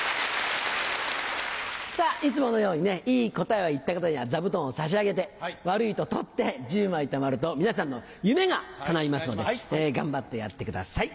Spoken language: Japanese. いつものようにねいい答えを言った方には座布団を差し上げて悪いと取って１０枚たまると皆さんの夢がかないますので頑張ってやってください。